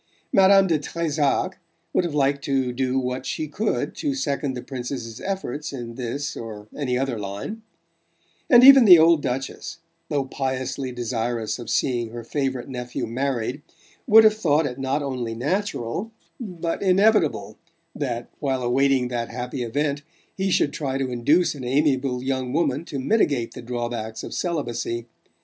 Madame de Trezac would have liked to do what she could to second the Princess's efforts in this or any other line; and even the old Duchess though piously desirous of seeing her favourite nephew married would have thought it not only natural but inevitable that, while awaiting that happy event, he should try to induce an amiable young woman to mitigate the drawbacks of celibacy.